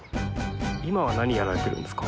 今は何やられてるんですか？